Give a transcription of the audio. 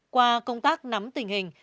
qua công tác nắm tình hình